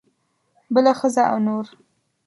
بله ښځه او نور.